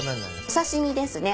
お刺し身ですね。